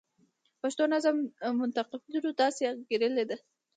پښتو نظم منتقدینو داسې انګیرلې ده.